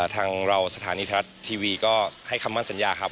ทางเราสถานีทรัฐทีวีก็ให้คำมั่นสัญญาครับ